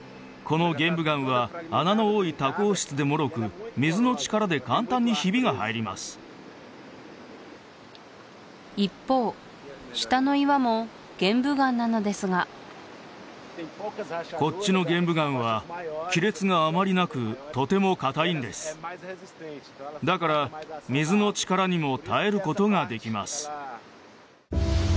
この玄武岩は穴の多い多孔質で脆く水の力で簡単にヒビが入ります一方下の岩も玄武岩なのですがこっちの玄武岩は亀裂があまりなくとても硬いんですだから水の力にも耐えることができます